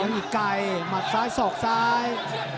ยังยิ่งใกล้หมัดซ้ายสอกซ้าย